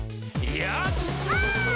「よし！」